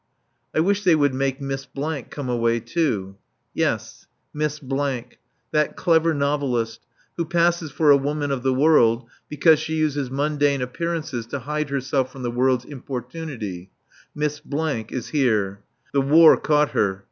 I wish they would make Miss come away too. Yes: Miss , that clever novelist, who passes for a woman of the world because she uses mundane appearances to hide herself from the world's importunity Miss is here. The War caught her.